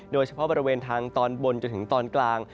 โดยเฉพาะบริเวณทางตอนบนจนถึงตอนกลาง